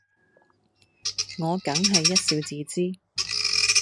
我梗係一笑置之